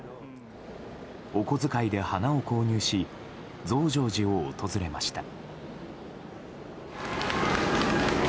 お小遣いで花を購入し増上寺を訪れました。